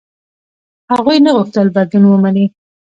هغوی نه غوښتل بدلون ومني.